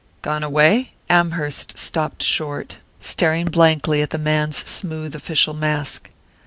"Gone away?" Amherst stopped short, staring blankly at the man's smooth official mask.